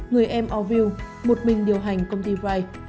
người em orville một mình điều hành công ty white